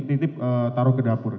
tidip taruh ke dapur